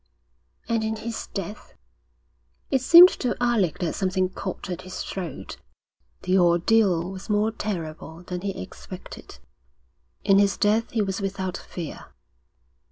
'And in his death?' It seemed to Alec that something caught at his throat. The ordeal was more terrible than he expected. 'In his death he was without fear.'